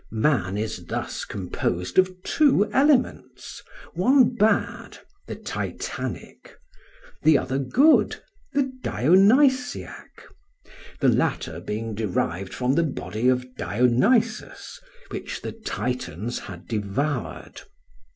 Man is thus composed of two elements, one bad, the Titanic, the other good, the Dionysiac; the latter being derived from the body of Dionysus, which the Titans had devoured.